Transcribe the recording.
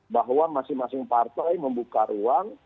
bahwa masing masing partai membuka ruang